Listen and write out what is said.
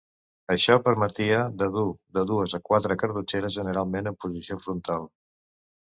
Això permetia de dur de dues a quatre cartutxeres, generalment en posició frontal.